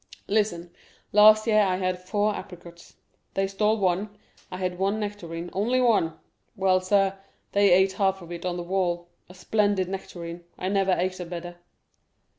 Listen. Last year I had four apricots—they stole one, I had one nectarine, only one—well, sir, they ate half of it on the wall; a splendid nectarine—I never ate a better."